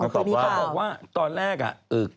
เขาบอกว่าตอนแรกอ่ะ